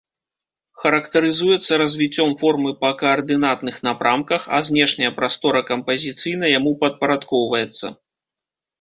Характарызуецца развіццём формы па каардынатных напрамках, а знешняя прастора кампазіцыйна яму падпарадкоўваецца.